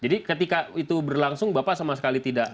ketika itu berlangsung bapak sama sekali tidak